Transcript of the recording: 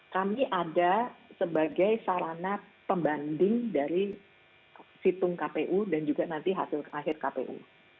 kami ada sebagai sarana pembanding dari situng kpu dan juga nanti hasil terakhir kpu